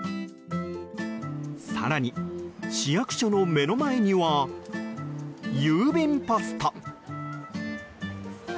更に、市役所の目の前には郵便ポスト。